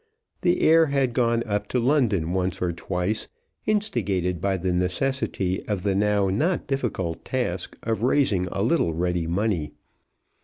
The heir had gone up to London once or twice, instigated by the necessity of the now not difficult task of raising a little ready money.